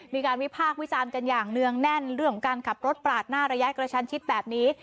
มีการวิพากษ์วิจารณ์กันอย่างเนื่องแน่นเรื่องของการขับรถปาดหน้าระยะกระชันชิดแบบนี้